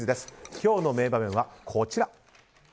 今日の名場面はこちら。